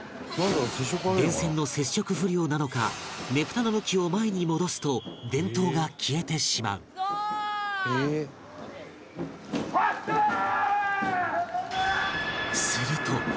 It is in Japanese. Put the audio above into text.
電線の接触不良なのかねぷたの向きを前に戻すと電灯が消えてしまうワッショーイ！